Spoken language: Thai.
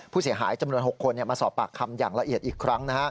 จำนวน๖คนมาสอบปากคำอย่างละเอียดอีกครั้ง